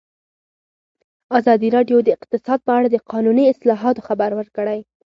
ازادي راډیو د اقتصاد په اړه د قانوني اصلاحاتو خبر ورکړی.